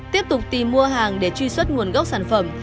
tiếp tục tìm mua hàng để truy xuất nguồn gốc sản phẩm